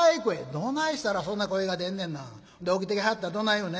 「どないしたらそんな声が出んねんな。で起きてきはったらどない言うねん」。